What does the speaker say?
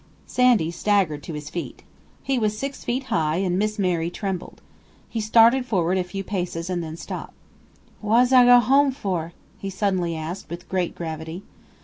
Sandy staggered to his feet. He was six feet high, and Miss Mary trembled. He started forward a few paces and then stopped. "Wass I go home for?" he suddenly asked, with great gravity.